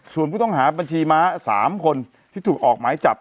ส่วนผู้ต้องหาบัญชีม้า๓คนที่ถูกออกหมายจับ